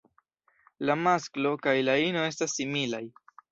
La masklo kaj la ino estas similaj.